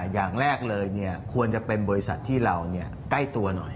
อย่างแรกเลยควรจะเป็นบริษัทที่เราใกล้ตัวหน่อย